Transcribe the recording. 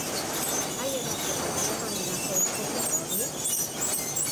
Haien arteko harremanerako oztopoa da hori?